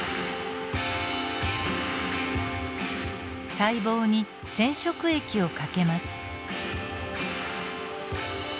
細胞に染色液をかけます。